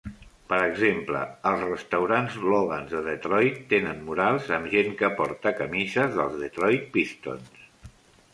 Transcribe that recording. Per exemple, els restaurants Logan's de Detroit tenen murals amb gent que porta camises dels Detroit Pistons.